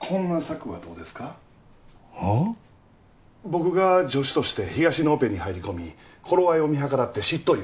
僕が助手として東のオペに入り込み頃合いを見計らって執刀医を奪い取る。